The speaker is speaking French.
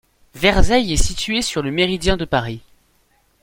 Verzeille est situé sur le méridien de Paris.